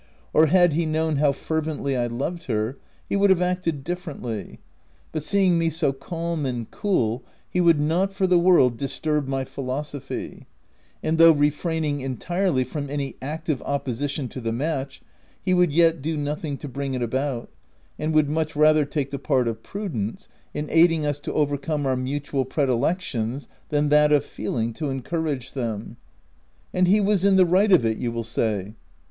259 or had he known how fervently I loved her, he would have acted differently ; but seeing me so calm and cool, he would not for the world dis turb my philosophy ; and though refraining entirely from any active opposition to the match, he would yet do nothing to bring it about, and would much rather take the part of prudence, in aiding us to overcome our mutual predilec tions, than that of feeling, to encourage them. a And he was in the right of it," you will say.